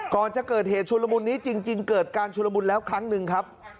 ก่อนจะเกิดเหตุชุลมุนนี้จริงเกิดการชุลมุนแล้วครั้งหนึ่งครับ